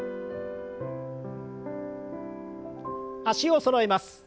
脚をそろえます。